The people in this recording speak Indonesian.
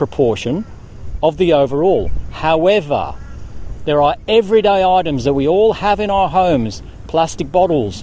seperti pelanggan perangkat dan kontainer yang diambil